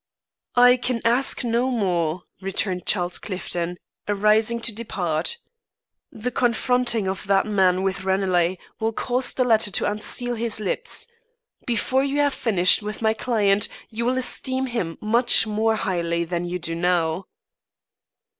"I can ask no more," returned Charles Clifton, arising to depart. "The confronting of that man with Ranelagh will cause the latter to unseal his lips. Before you have finished with my client, you will esteem him much more highly than you do now."